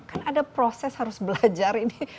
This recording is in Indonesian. kan ada proses harus belajar ini